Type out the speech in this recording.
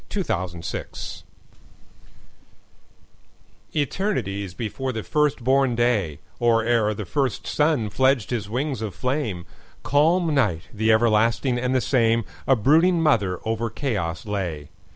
Mother Night ETERNITIES before the first born day, Or ere the first sun fledged his wings of flame, Calm Night, the everlasting and the same,A brooding mother over chaos lay.